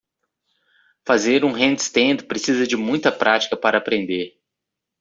Fazer um handstand precisa de muita prática para aprender.